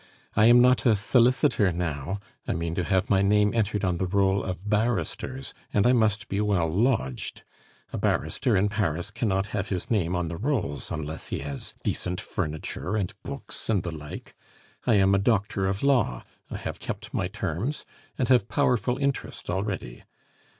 I am not a solicitor now; I mean to have my name entered on the roll of barristers, and I must be well lodged. A barrister in Paris cannot have his name on the rolls unless he has decent furniture and books and the like. I am a doctor of law, I have kept my terms, and have powerful interest already....